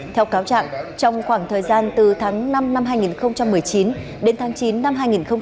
theo cáo trạng trong khoảng thời gian từ tháng năm năm hai nghìn một mươi chín đến tháng chín năm hai nghìn hai mươi